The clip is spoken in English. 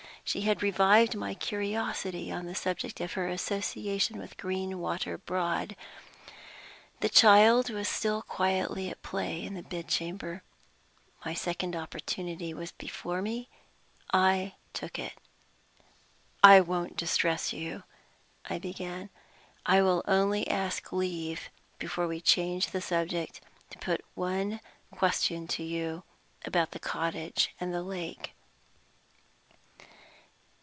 She had revived my curiosity on the subject of her association with Greenwater Broad. The child was still quietly at play in the bedchamber. My second opportunity was before me. I took it. "I won't distress you," I began. "I will only ask leave, before we change the subject, to put one question to you about the cottage and the lake."